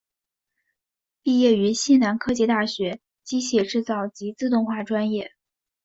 毕业于西南科技大学机械制造及自动化专业。